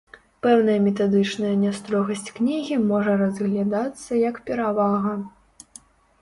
Пэўная метадычная нястрогасць кнігі можа разглядацца як перавага.